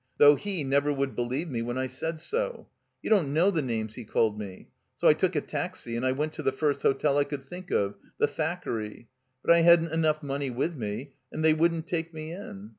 Though he never would believe me when I said so. You don't know the names he called me. So I took a taxi and I went to the first hotel I could think of — the Thackeray. But I hadn't enough money with me, and they wouldn't take me in.